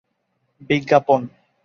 বিজ্ঞাপন